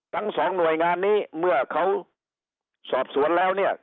ทั้งสองหน่วยงานนี้เมื่อเขาสอบสวนแล้วเนี่ย